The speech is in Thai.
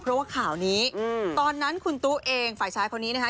เพราะว่าข่าวนี้ตอนนั้นคุณตู้เองฝ่ายชายคนนี้นะคะ